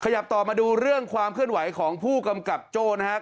ขยับต่อมาดูเรื่องความเคลื่อนไหวของผู้กำกับโจ้นะครับ